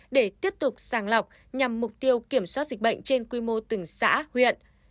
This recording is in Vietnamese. để tiếp tục sàng lọc nhằm mục tiêu kiểm soát dịch bệnh trên quy mô từng xã huyện